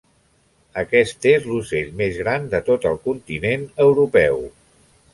Aquest és l'ocell més gran de tot el continent europeu.